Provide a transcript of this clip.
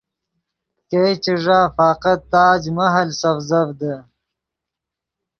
ګئے چے ݱا فقط تاج محل سڤزڤدے